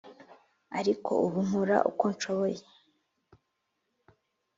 ariko ubu nkora uko nshoboye